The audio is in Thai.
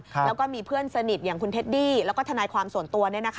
แล้วก็มีเพื่อนสนิทอย่างคุณเทดดี้แล้วก็ทนายความส่วนตัว